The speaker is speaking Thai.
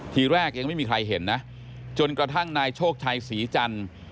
ทีแรกยังไม่มีใครเห็นนะจนกระทั่งนายโชคชัยศรีจันทร์